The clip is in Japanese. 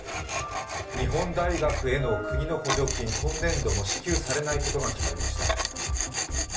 日本大学への補助金、今年度も支給されないことが決まりました。